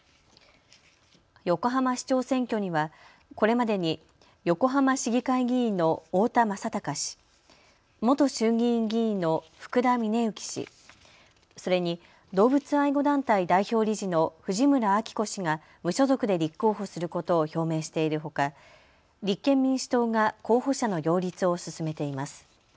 横浜市長選挙にはこれまでに横浜市議会議員の太田正孝氏、元衆議院議員の福田峰之氏、それに動物愛護団体代表理事の藤村晃子氏が無所属で立候補することを表明しているほか立憲民主党が候補者の擁立を進めています。